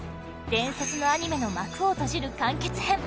伝説のアニメの幕を閉じる完結編